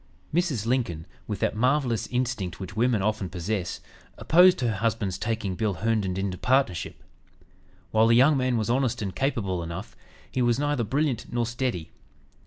Mrs. Lincoln, with that marvelous instinct which women often possess, opposed her husband's taking Bill Herndon into partnership. While the young man was honest and capable enough, he was neither brilliant nor steady.